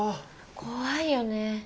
怖いよね。